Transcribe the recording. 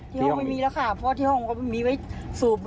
ห้องไม่มีแล้วค่ะเพราะที่ห้องก็ไม่มีไว้สูบ